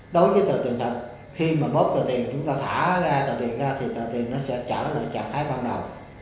đối với tờ tiền thật khi mà bóp tờ tiền chúng ta thả ra tờ tiền ra thì tờ tiền nó sẽ trở lại trạng thái ban đầu